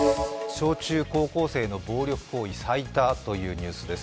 小中高校生の暴力行為、最多というニュースです。